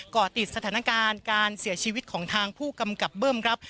่อติดสถานการณ์การเสียชีวิตของทางผู้กำกับเบิ้มครับ